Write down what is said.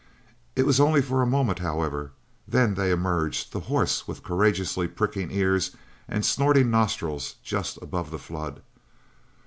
It was only for a moment, however; then they emerged, the horse with courageously pricking ears and snorting nostrils just above the flood.